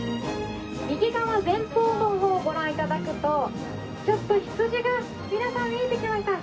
右側前方の方ご覧頂くとちょっと羊が皆さん見えてきました。